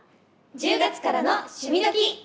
「１０月からの趣味どきっ！」。